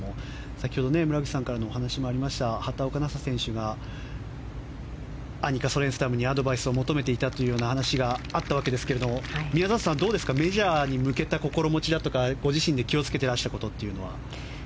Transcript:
先ほど村口さんからのお話もありました畑岡奈紗選手がアニカ・ソレンスタムにアドバイスを求めていたという話があったわけですが宮里さん、どうですかメジャーに向けた心持ちだとかご自身で気をつけてらしたことというのは？